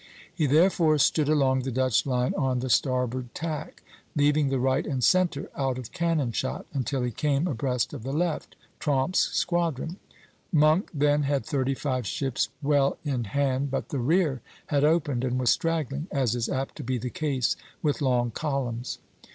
He therefore stood along the Dutch line on the starboard tack, leaving the right and centre out of cannon shot, until he came abreast of the left, Tromp's squadron. Monk then had thirty five ships well in hand; but the rear had opened and was straggling, as is apt to be the case with long columns.